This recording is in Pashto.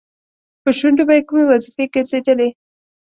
په شونډو به یې کومې وظیفې ګرځېدلې؟